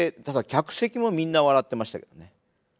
ただ客席もみんな笑ってましたけどね。